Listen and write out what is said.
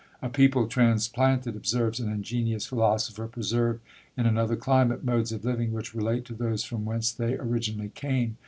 A people transplanted, observes an ingenious philosopher, preserve in another climate modes of living which relate to those from whence they originally came.